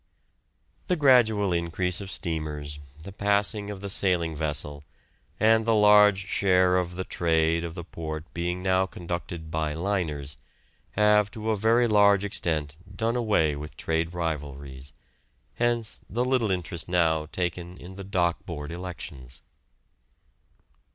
The gradual increase of steamers, the passing of the sailing vessel, and the large share of the trade of the port being now conducted by "liners," have to a very large extent done away with trade rivalries; hence the little interest now taken in the Dock Board elections.